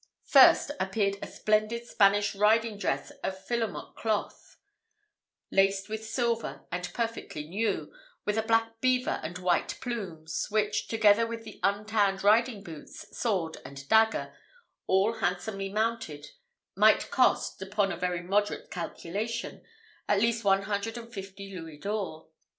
First, appeared a splendid Spanish riding dress of philomot cloth, laced with silver, and perfectly new; with a black beaver and white plumes, which, together with the untanned riding boots, sword, and dagger, all handsomely mounted, might cost, upon a very moderate calculation, at least one hundred and fifty louis d'ors.